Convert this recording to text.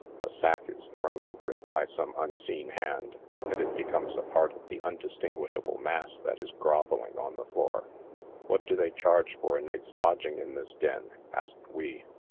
A sack is thrown over it by some unseen hand, and it becomes a part of the undistinguishable mass that is groveling on the floor. •'What do they charge for a night's lodging in this den?" aslied we.